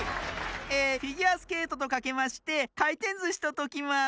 えフィギュアスケートとかけましてかいてんずしとときます。